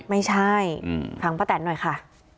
ไม่ใช่ฟังป้าแตนหน่อยค่ะ